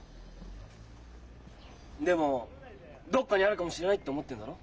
でも「どっかにあるかもしれない」って思ってんだろ？